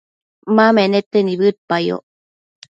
ma menete nibëdpayoc